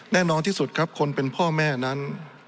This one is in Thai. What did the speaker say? แน่นอนที่สุดครับคนเป็นพ่อแม่นั้น